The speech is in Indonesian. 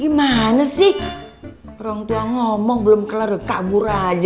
gimana sih orang tua ngomong belum kelar kabur aja